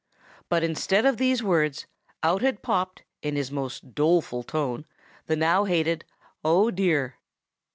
and, instead of these words, out had popped, in his most doleful tone, the now hated 'Oh, dear!